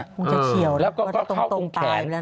คงจะเฉียวแล้วก็เข้าตรงแขน